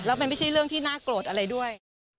แล้วมันไม่ใช่เรื่องที่น่าโกรธอะไรด้วย